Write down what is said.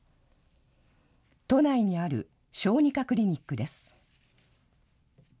都内にある小児科クリニックです。